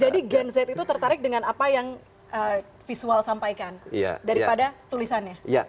jadi gen z itu tertarik dengan apa yang visual sampaikan daripada tulisannya